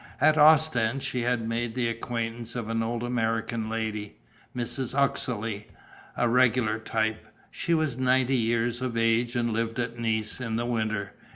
At Ostend she had made the acquaintance of an old American lady, Mrs. Uxeley, a regular type. She was ninety years of age and lived at Nice in the winter.